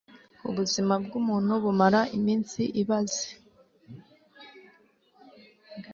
ubuzima bw'umuntu bumara iminsi ibaze